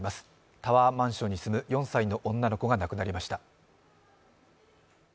タワーマンションに住む４歳の女の子が亡くなりました。